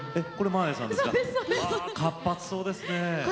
活発そうですね。